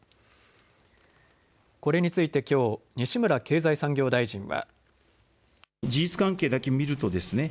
これについてきょう西村経済産業大臣は。